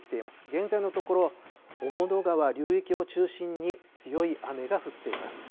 現在のところ、雄物川流域を中心に強い雨が降っています。